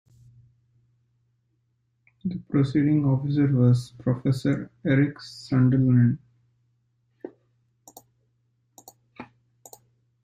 The proceeding officer was Professor Eric Sunderland.